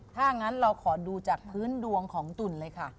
ถ้างั้นเราขอดูจากพื้นดวงของตุ่นเลยค่ะ